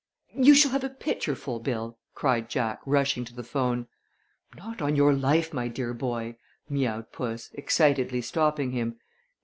"You shall have a pitcherful, Bill," cried Jack, rushing to the 'phone. "Not on your life, my dear boy!" meowed puss, excitedly stopping him.